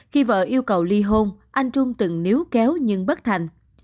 khi vợ yêu cầu ly hôn anh trung từng níu kéo nhưng bất thành